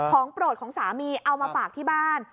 โปรดของสามีเอามาฝากที่บ้าน